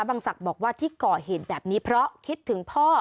ศักดิ์บอกว่าที่ก่อเหตุแบบนี้เพราะคิดถึงพ่อ